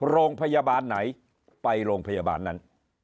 โรงพยาบาลไหนไปโรงพยาบาลนั้น